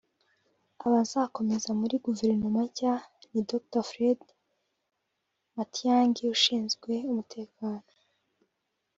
Abazakomeza muri Guverinoma nshya ni Dr Fred Matiang’i ushinzwe umutekano